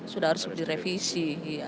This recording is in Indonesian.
sudah harus direvisi